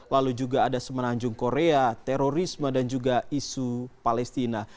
lalu juga ada semenanjung korea terorisme dan juga isu palestina